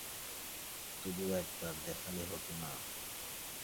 তবু একবার দেখালে হত না?